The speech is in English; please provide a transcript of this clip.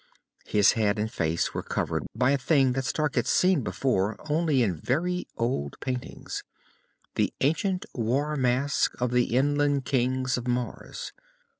His head and face were covered by a thing that Stark had seen before only in very old paintings the ancient war mask of the inland Kings of Mars.